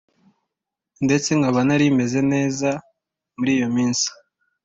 ndetse nkaba narimeze neza muriyo minsi